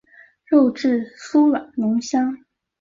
肉质酥软浓香。